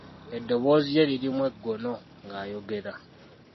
Eddoboozi lye lirimu eggono ng'ayogera.